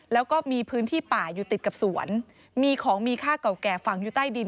แล้วก็มีพื้นที่ป่าอยู่ติดกับสวนมีของมีค่าเก่าแก่ฝังอยู่ใต้ดิน